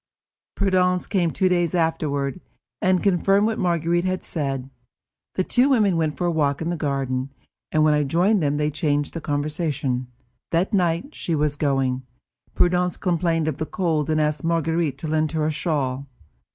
Prudence came two days afterward, and confirmed what Marguerite had said. The two women went for a walk in the garden, and when I joined them they changed the conversation. That night, as she was going, Prudence complained of the cold and asked Marguerite to lend her a shawl.